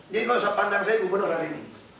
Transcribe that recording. jadi gak usah pandang saya gubernur hari ini